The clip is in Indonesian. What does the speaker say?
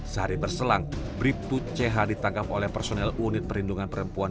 sehari berselang bribtu ch ditangkap oleh personel unit perlindungan perempuan